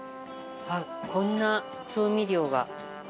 あっこんな調味料が。